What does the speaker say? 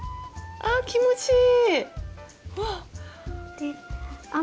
ああ気持ちいい！